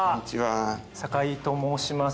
酒井と申します